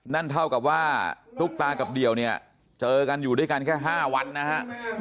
นั่นเท่ากับว่าตุ๊กตากับเดี่ยวเนี่ยเจอกันอยู่ด้วยกันแค่๕วันนะฮะ